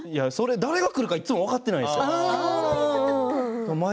誰が来るか、いつも分かっていないんですよ。